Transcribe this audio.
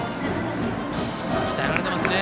鍛えられていますね。